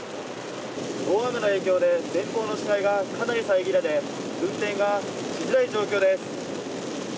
大雨の影響で前方の視界がかなり遮られ運転がしづらい状況です。